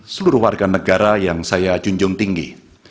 seluruh warga negara yang saya junjung tinggi